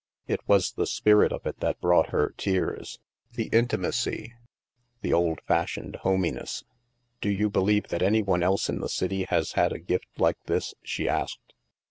It was the spirit i64 THE MASK of it that brought her tears, the intimacy, the old fashioned homeyness. " Do you believe that any one else in the city has had a gift like that? " she asked.